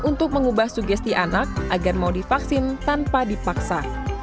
untuk mengubah sugesti anak agar mau divaksin tanpa dipaksa